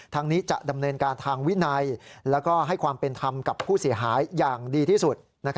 นี้จะดำเนินการทางวินัยแล้วก็ให้ความเป็นธรรมกับผู้เสียหายอย่างดีที่สุด